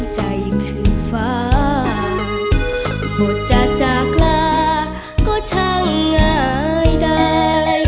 จะจากลาก็ช่างอายได้